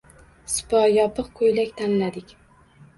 Sipo, yopiq koʻylak tanladik.